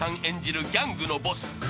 演じるギャングのボス